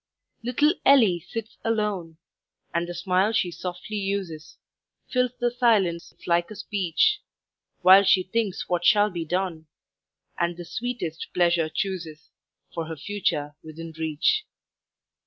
Little Ellie sits alone, And the smile she softly uses, Fills the silence like a speech, While she thinks what shall be done, And the sweetest pleasure chooses For her future within reach.